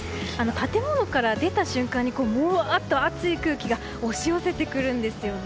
建物から出た瞬間にもわーっと熱い空気が押し寄せてくるんですよね。